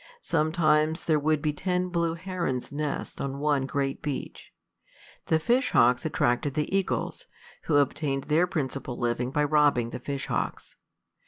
Sometimes there would be ten blue herons' nests on one great beech. The fish hawks attracted the eagles, who obtained their principal living by robbing the fish hawks.